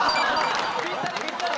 ぴったりぴったり！